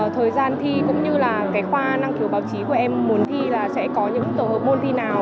thời gian thi cũng như là cái khoa năng khiếu báo chí của em muốn thi là sẽ có những tổ hợp môn thi nào